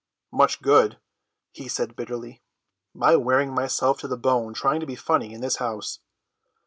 "Much good," he said bitterly, "my wearing myself to the bone trying to be funny in this house."